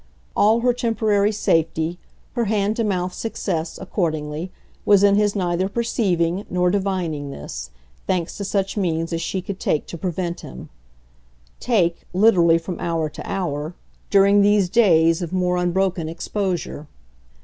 All her temporary safety, her hand to mouth success, accordingly, was in his neither perceiving nor divining this, thanks to such means as she could take to prevent him; take, literally from hour to hour, during these days of more unbroken exposure.